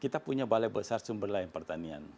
kita punya balai besar sumber lain pertanian